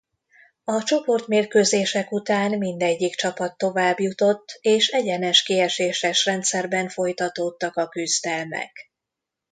A csoportmérkőzések után mindegyik csapat továbbjutott és egyenes kieséses rendszerben folytatódtak a küzdelmek.